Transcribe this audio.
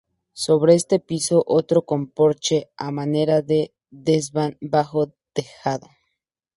Sobre este piso otro con porches a manera de desván bajo tejado.